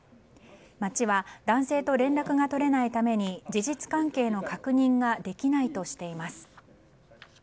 町は男性と連絡が取れないために事実関係の確認ができないとしています。